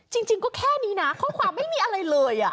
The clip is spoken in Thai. จริงก็แค่นี้นะข้อความไม่มีอะไรเลย